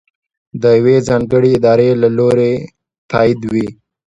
د یوې ځانګړې ادارې له لورې تائید وي.